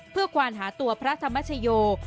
เพื่อควานหาตัวพระธรรมชโย